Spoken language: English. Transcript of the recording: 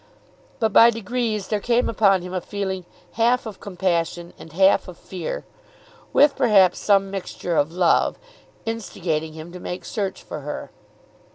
But by degrees there came upon him a feeling half of compassion and half of fear, with perhaps some mixture of love, instigating him to make search for her.